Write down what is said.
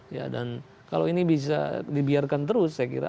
ya dan kalau ini bisa dibiarkan terus saya kira